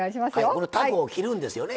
このたこを切るんですよね。